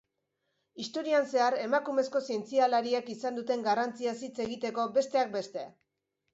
Historian zehar emakumezko zientzialariek izan duten garrantziaz hitz egiteko, besteak beste.